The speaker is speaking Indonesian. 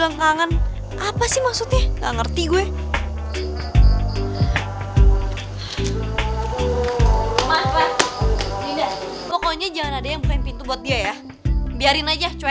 katanya kamu sayang padaku